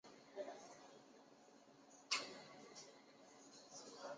沈氏浅胸溪蟹为溪蟹科浅胸溪蟹属的动物。